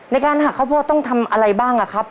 ในการหักข้าวโพดต้องทำอะไรบ้างอะครับ